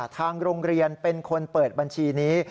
ทางโรงเรียนเป็นคนเปิดบัญชีนี้